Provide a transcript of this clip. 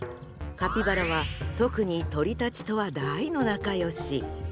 カピバラは特に鳥たちとは大の仲良し。